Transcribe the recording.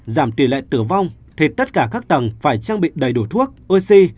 giảm tỷ lệ tử vong thì tất cả các tầng phải trang bị đầy đủ thuốc oxy